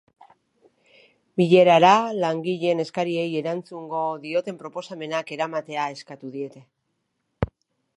Bilerara, langileen eskariei erantzungo dioten proposamenak eramatea eskatu diete.